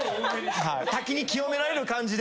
滝に清められる感じで。